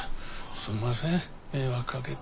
すんません迷惑かけて。